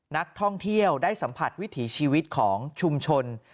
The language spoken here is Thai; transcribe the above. นักท่องเที่ยวได้สัมผัสวิถีชีวิตของชุมชน